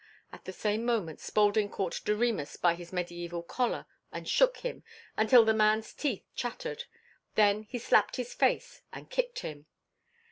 At the same moment Spaulding caught Doremus by his medieval collar and shook him until the man's teeth chattered, then he slapped his face and kicked him.